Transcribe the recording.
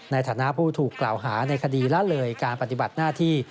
ในฐานะผู้ถูกกล่าวหาในคดีละเลยการปฏิบัติหน้าที่